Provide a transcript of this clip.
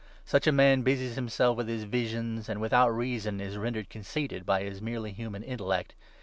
Such a man busies himself with his visions, and without reason is rendered conceited by his merely human intellect.